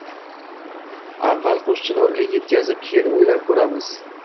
— Avval Qo’shchinorga yetkazib, keyin o’ylab ko’rarmiz.